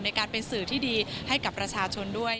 ในการเป็นสื่อที่ดีให้กับประชาชนด้วย